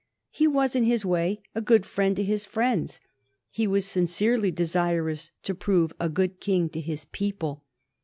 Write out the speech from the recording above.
He was in his way a good friend to his friends. He was sincerely desirous to prove himself a good king to his people.